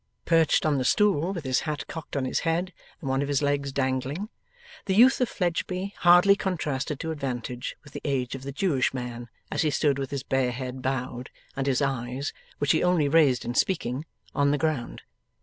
Perched on the stool with his hat cocked on his head and one of his legs dangling, the youth of Fledgeby hardly contrasted to advantage with the age of the Jewish man as he stood with his bare head bowed, and his eyes (which he only raised in speaking) on the ground.